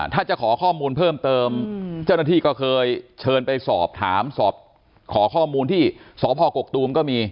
ถ้าจะขอข้อมูลเพิ่มเติมเจ้าหน้าที่ก็เคยเชิญไปสอบถามสอบขอข้อมูลที่สพกกตูมก็มี